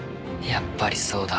やっぱりそうだ。